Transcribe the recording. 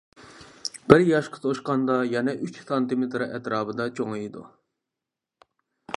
بىر ياشقا توشقاندا يەنە ئۈچ سانتىمېتىر ئەتراپىدا چوڭىيىدۇ.